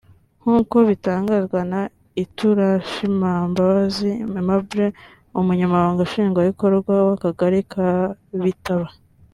nk’uko bitangazwa na Iturushimbabazi Aimable umunyamabanga Nshingwabikorwa w’Akagari ka Bitaba